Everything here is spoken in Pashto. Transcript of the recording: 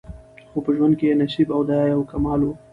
خو په ژوند کي یې نصیب دا یو کمال وو